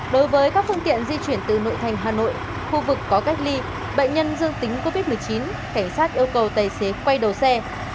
đối với các phương tiện di chuyển từ nội thành hà nội khu vực có cách ly bệnh nhân dương tính covid một mươi chín cảnh sát yêu cầu tài xế quay đầu xe